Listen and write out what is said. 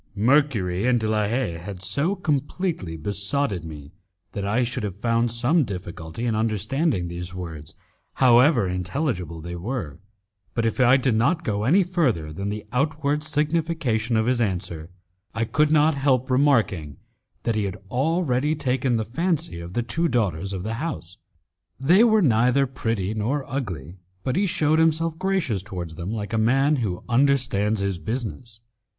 Mercury and De la Haye had so completely besotted me that I should have found some difficulty in understanding these words, however intelligible they were; but if I did not go any further than the outward signification of his answer, I could not help remarking that he had already taken the fancy of the two daughters of the house. They were neither pretty nor ugly, but he shewed himself gracious towards them like a man who understands his business.